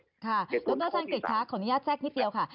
ดรชังกิจของนิยาแจ็คนิดเดียวค่ะ